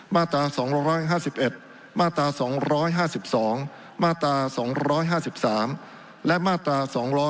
มาตรา๒๕๑มาตรา๒๕๒มาตรา๒๕๓และมาตรา๒๕๖